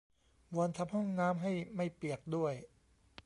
วอนทำห้องน้ำให้ไม่เปียกด้วย